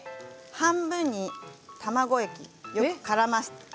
半分に卵液をよくからませる。